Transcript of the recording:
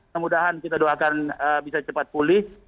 semoga kita doakan bisa cepat pulih